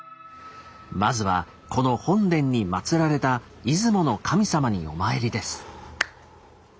まずはこの本殿に祭られた出雲の神様にお参りです。